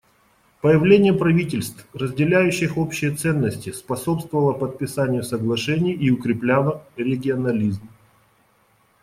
Появление правительств, разделяющих общие ценности, способствовало подписанию соглашений и укрепляло регионализм.